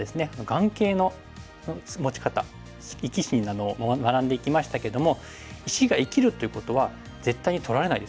眼形の持ち方生き死になどを学んでいきましたけども石が生きるということは絶対に取られないですよね。